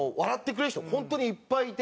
本当にいっぱいいて。